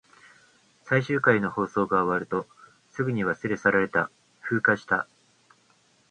最終回の放送が終わると、すぐに忘れ去られた。風化した。